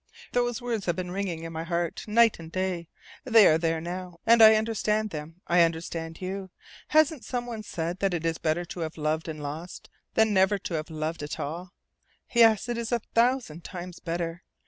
Those words have been ringing in my heart night and day. They are there now. And I understand them; I understand you. Hasn't some one said that it is better to have loved and lost than never to have loved at all? Yes, it is a thousand times better.